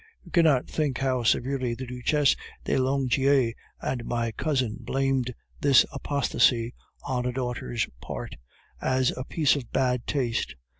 You cannot think how severely the Duchesse de Langeais and my cousin blamed this apostasy on a daughter's part, as a piece of bad taste.